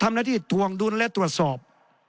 ทำและตั่วดูแลตรวจสอบ